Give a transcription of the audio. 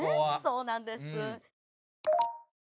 そうなんです。